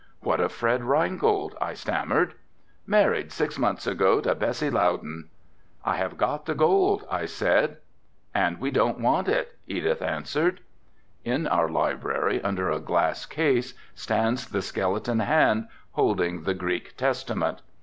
"What of Fred Reingold?" I stammered. "Married six months ago to Bessie Loudon." "I have got the gold," I said. "And we don't want it," Edith answered. In our library, under a glass case, stands the skeleton hand holding the Greek Testament.